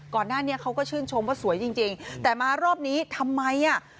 ก่อนหน้านี้เขาก็ชื่นชมว่าสวยจริงจริงแต่มารอบนี้ทำไมอ่ะ